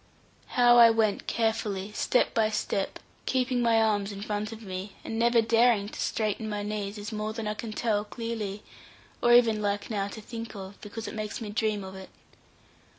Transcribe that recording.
How I went carefully, step by step, keeping my arms in front of me, and never daring to straighten my knees is more than I can tell clearly, or even like now to think of, because it makes me dream of it.